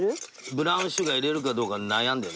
ブラウンシュガー入れるかどうか悩んでる。